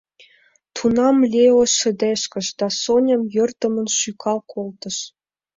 Тунам Лео шыдешкыш да Соням йӧрдымын шӱкал колтыш.